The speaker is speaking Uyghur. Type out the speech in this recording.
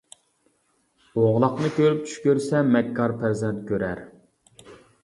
ئوغلاقنى كۆرۈپ چۈش كۆرسە مەككار پەرزەنت كۆرەر.